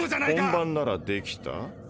本番ならできた？